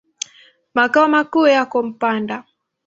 Makao makuu yako Mpanda.